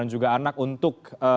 dan juga anak untuk